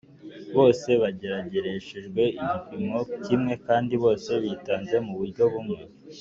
bose bageragereshejwe igipimo kimwe kandi bose bitanze mu buryo bumwe